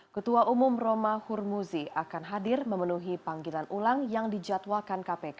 ketua umum roma hurmuzi akan hadir memenuhi panggilan ulang yang dijadwalkan kpk